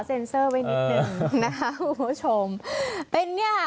เซ็นเซอร์ไว้นิดหนึ่งนะคะคุณผู้ชมเป็นเนี่ย